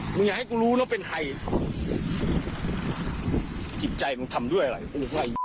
หม้อยังอยู่ถัพพียังอยู่